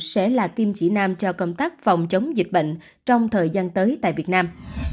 sẽ là kim chỉ nam cho công tác phòng chống dịch bệnh trong thời gian tới tại việt nam